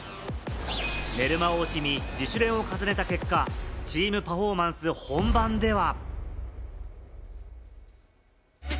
寝る間を惜しみ、自主練を重ねた結果、チーム・パフォーマンス本番では。